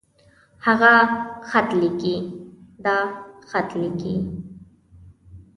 هغۀ خط ليکي. دا خط ليکي.